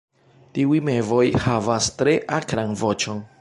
Tiuj mevoj havas tre akran voĉon.